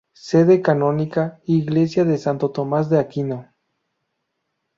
Sede Canónica: Iglesia de Santo Tomás de Aquino.